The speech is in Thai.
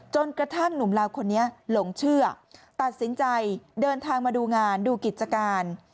จนกระทั่งหนุ่มลาวคนนี้หลงเชื่อตัดสินใจเดินทางมาดูงานดูกิจการ